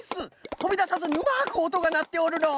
とびださずにうまくおとがなっておるのう。